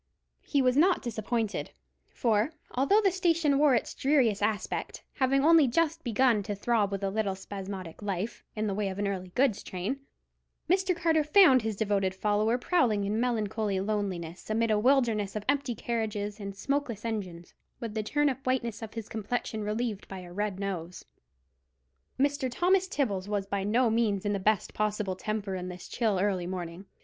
He was not disappointed; for, although the station wore its dreariest aspect, having only just begun to throb with a little spasmodic life, in the way of an early goods train, Mr. Carter found his devoted follower prowling in melancholy loneliness amid a wilderness of empty carriages and smokeless engines, with the turnip whiteness of his complexion relieved by a red nose. Mr. Thomas Tibbles was by no means in the best possible temper in this chill early morning.